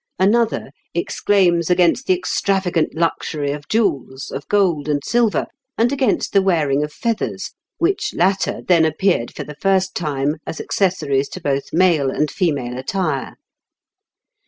Another exclaims against the extravagant luxury of jewels, of gold and silver, and against the wearing of feathers, which latter then appeared for the first time as accessories to both male and female attire.